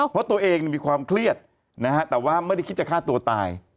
เพราะตัวเองมีความเครียดนะฮะแต่ว่าไม่ได้คิดจะฆ่าตัวตาย